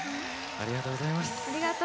ありがとうございます。